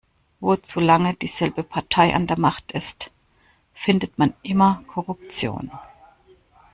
Wo zu lange dieselbe Partei an der Macht ist, findet man immer Korruption.